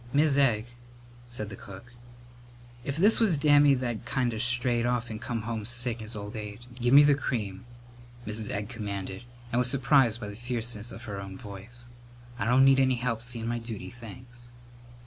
"Mis' Egg," said the cook, "if this was Dammy that'd kind of strayed off and come home sick in his old age " "Give me the cream," Mrs. Egg commanded, and was surprised by the fierceness of her own voice. "I don't need any help seein' my duty, thanks!"